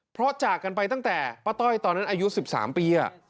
เพราะจากกันไปตั้งแต่ป้าต้อยตอนนั้นอายุ๑๓ปี